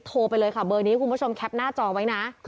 โทรไปเลยค่ะเบอร์นี้คุณผู้ชมแคปหน้าจอไว้นะ